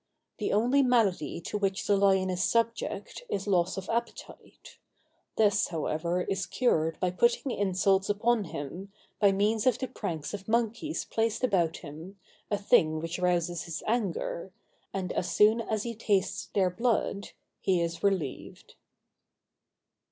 The only malady to which the lion is subject, is loss of appetite; this, however, is cured by putting insults upon him, by means of the pranks of monkeys placed about him, a thing which rouses his anger; and as soon as he tastes their blood, he is relieved.